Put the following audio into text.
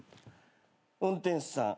運転手さん。